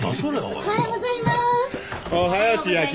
おはようございます。